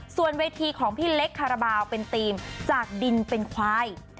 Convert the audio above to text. ส่วนเวทีของพี่เล็กคาราบาลเป็นธีมจากดินเป็นควาย